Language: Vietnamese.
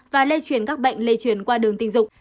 và lây truyền các bệnh lây chuyển qua đường tình dục